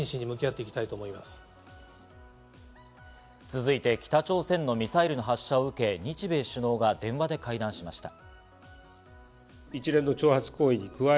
続いて北朝鮮のミサイルが発射を受け、日米首脳が電話で会談をしました。